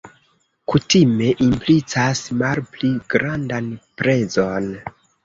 Kutime implicas malpli grandan prezon.